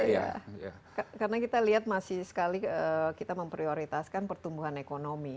iya karena kita lihat masih sekali kita memprioritaskan pertumbuhan ekonomi